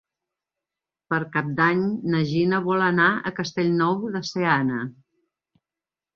Per Cap d'Any na Gina vol anar a Castellnou de Seana.